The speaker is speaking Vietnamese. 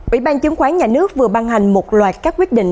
ủy ban chứng khoán nhà nước vừa ban hành một loạt các quyết định